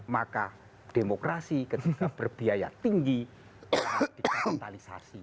maka demokrasi ketika berbiaya tinggi akan dikontentalisasi